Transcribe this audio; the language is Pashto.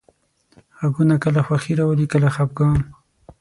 غږونه کله خوښي راولي، کله خپګان.